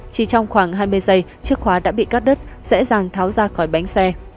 chỉ trong khoảng hai mươi giây chiếc khóa đã bị cắt đứt dễ dàng tháo ra khỏi bánh xe